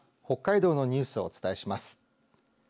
北海道のニュースをお伝えします。